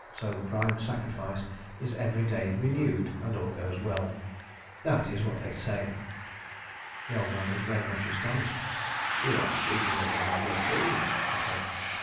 So the prime sacrifice is every day renewed, and all goes well. That is what they say." The old man was very much astonished. "You are speaking of marvellous things," he said.